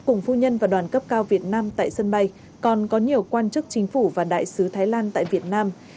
cùng phu nhân và đoàn cấp cao việt nam tại sân bay còn có nhiều quan chức chính phủ và đại sứ thái lan tại việt nam